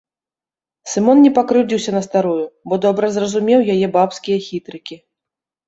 Сымон не пакрыўдзіўся на старую, бо добра зразумеў яе бабскія хітрыкі.